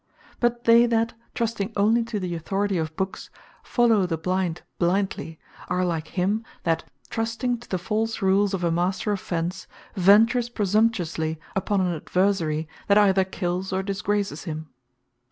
But they that trusting onely to the authority of books, follow the blind blindly, are like him that trusting to the false rules of the master of fence, ventures praesumptuously upon an adversary, that either kills, or disgraces him.